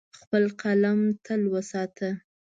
خپل قلم تل وساته.